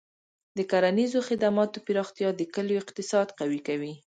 د کرنیزو خدماتو پراختیا د کلیو اقتصاد قوي کوي.